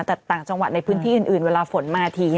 แต่ต่างจังหวัดในพื้นที่อื่นเวลาฝนมาที